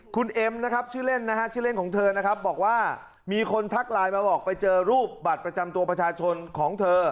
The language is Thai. คุณเอ็มนะครับชื่อเล่นนะฮะชื่อเล่นของเธอนะครับบอกว่ามีคนทักไลน์มาบอกไปเจอรูปบัตรประจำตัวประชาชนของเธอ